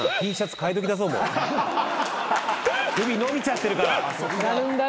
首伸びちゃってるから。